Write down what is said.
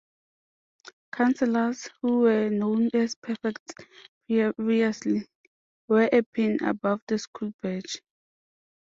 Councillors, who were known as prefects previously, wear a pin above the school badge.